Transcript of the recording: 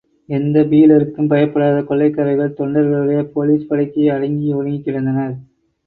எந்தப் பீலருக்கும் பயப்படாத கொள்ளைக்காரர்கள் தொண்டர்களுடைய போலிஸ் படைக்கு அடங்கி ஒடுங்கிக்கிடந்தனர்.